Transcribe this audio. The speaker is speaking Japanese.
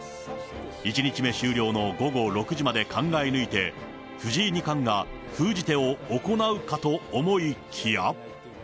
１日目終了の午後６時まで考え抜いて、藤井二冠が封じ手を行うかと思いきや。